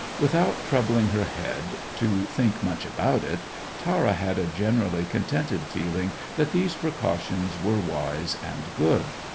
Without troubling her head to think much about it, Tara had a generally contented feeling that these precautions were wise and good.